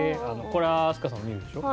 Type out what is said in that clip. これは飛鳥さんも見るでしょ？